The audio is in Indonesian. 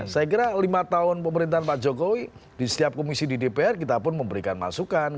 saya kira lima tahun pemerintahan pak jokowi di setiap komisi di dpr kita pun memberikan masukan